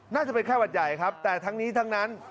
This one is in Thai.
น่าจะเป็นไข้หวัดใหญ่ครับแต่ทั้งนี้ทั้งนั้น